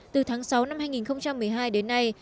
từ tháng sáu năm hai nghìn một mươi hai đến nay